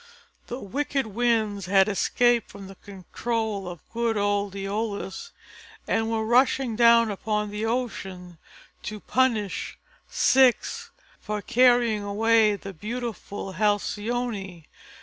The wicked Winds had escaped from the control of good old Æolus and were rushing down upon the ocean to punish Ceyx for carrying away the beautiful Halcyone.